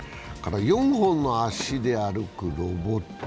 ４本の足で歩くロボット。